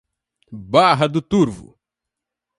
Barra do Turvo